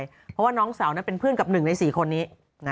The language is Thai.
เพราะว่าน้องสาวนั้นเป็นเพื่อนกับ๑ใน๔คนนี้